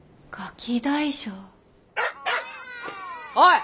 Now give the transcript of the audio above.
おい！